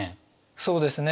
そうですね